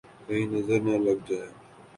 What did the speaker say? !کہیں نظر نہ لگ جائے